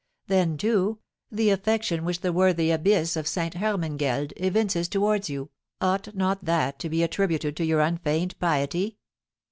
Then, too, the affection which the worthy abbess of Ste. Hermangeld evinces towards you, ought not that to be attributed to your unfeigned piety?"